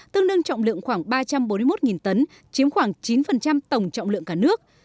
tương đương trọng lượng khoảng ba trăm bốn mươi một tấn chiếm khoảng chín tổng trọng lượng cả nước